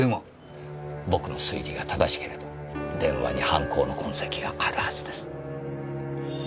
僕の推理が正しければ電話に犯行の痕跡があるはずです。